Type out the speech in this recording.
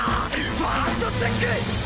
ファーストチェック！